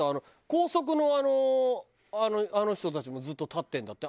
高速のあのあの人たちもずっと立ってるんだって。